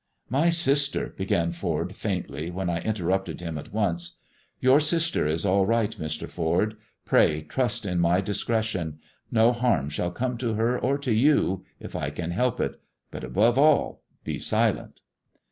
*'" My sister," began Ford faintly, when I interrupted him at once. Your sister is all right, Mr. Ford. Pray trust in my discretion ; no harm shall come to her or to you, if I can help it — but, above all, be silent."